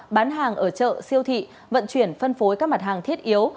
bán hàng ở chợ siêu thị vận chuyển phân phối các mặt hàng thiết yếu